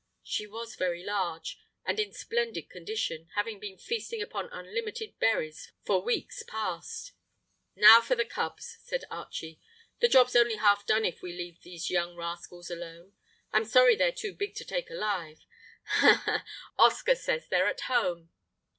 She was very large, and in splendid condition, having been feasting upon unlimited berries for weeks past. "Now for the cubs," said Archie. "The job's only half done if we leave these young rascals alone. I'm sorry they're too big to take alive. Ha, ha! Oscar says they're at home."